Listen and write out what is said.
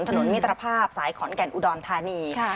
มิตรภาพสายขอนแก่นอุดรธานี